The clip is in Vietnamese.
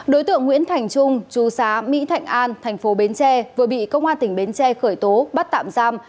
đối tượng nguyễn thành trung chú xá mỹ thạnh an thành phố bến tre vừa bị công an tỉnh bến tre khởi tố bắt tạm giam